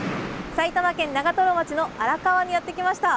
埼玉県長瀞町の荒川にやって来ました。